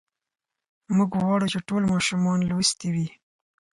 موږ غواړو چې ټول ماشومان لوستي وي.